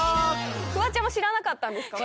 フワちゃんも知らなかったんですか？